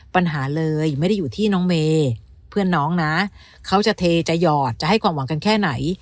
ปัญหาเลยไม่ได้อยู่ที่น้องเมย์เพื่อนน้องนะเขาจะเทจะหยอดจะให้ความหวังกันแค่ไหน